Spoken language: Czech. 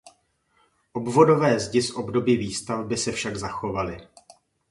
Obvodové zdi z období výstavby se však zachovaly.